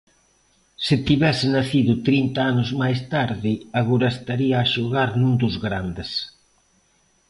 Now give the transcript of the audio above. Se tivese nacido trinta anos máis tarde agora estaría a xogar nun dos grandes